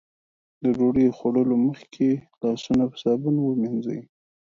د ډوډۍ خوړلو مخکې لاسونه په صابون ومينځئ.